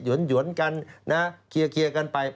หวนกันนะเคลียร์กันไป